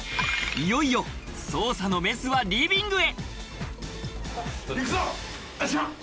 いよいよ捜査のメスはリビングへ。